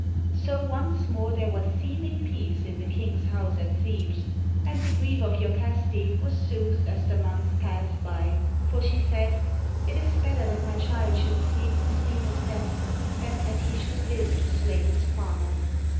So once more there was seeming peace in the king's house at Thebes; and the grief of lokaste was soothed as the months passed by, for she said, "It is better that my child should sleep the sleep of death than that he should Uve to slay his father."